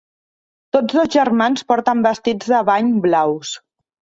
Tots dos germans porten vestits de bany blaus.